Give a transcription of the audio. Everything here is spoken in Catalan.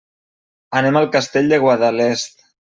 Anem al Castell de Guadalest.